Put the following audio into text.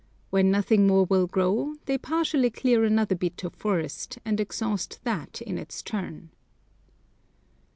When nothing more will grow, they partially clear another bit of forest, and exhaust that in its turn.